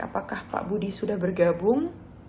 apakah pak budi sudah bergabung